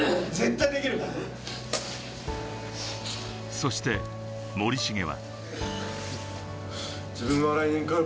そして森重は。